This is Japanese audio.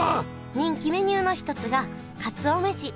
人気メニューの一つがかつお飯。